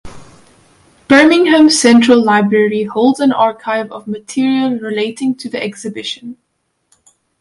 Birmingham Central Library holds an archive of material relating to the exhibition.